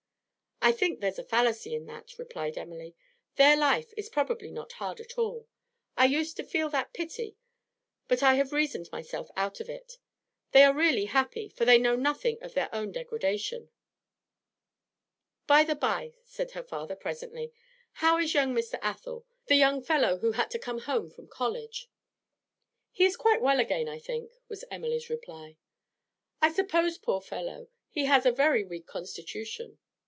'I think there's a fallacy in that,' replied Emily. 'Their life is probably not hard at all. I used to feel that pity, but I have reasoned myself out of it. They are really happy, for they know nothing of their own degradation.' 'By the bye,' said her father presently, 'how is young Mr. Athel, the young fellow who had to come home from college?' 'He is quite well again, I think,' was Emily's reply. 'I suppose, poor fellow, he has a very weak constitution?'